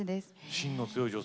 芯の強い女性。